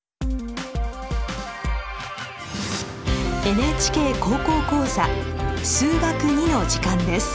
「ＮＨＫ高校講座数学Ⅱ」の時間です。